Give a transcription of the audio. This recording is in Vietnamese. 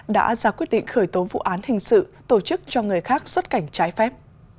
đã ra quyết định khởi tố vụ án hình sự tổ chức cho người khác xuất cảnh trái phép